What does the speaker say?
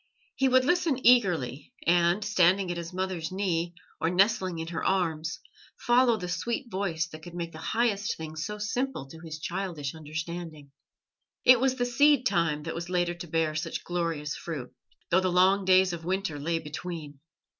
He would listen eagerly, and, standing at his mother's knee, or nestling in her arms, follow the sweet voice that could make the highest things so simple to his childish understanding. It was the seed time that was later to bear such glorious fruit, though the long days of winter lay between.